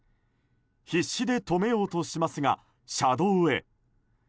必死で止めようとしますが車道へ。